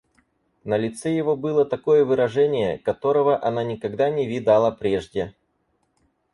На лице его было такое выражение, которого она никогда не видала прежде.